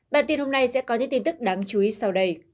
bản tin hôm nay sẽ có những tin tức đáng chú ý sau đây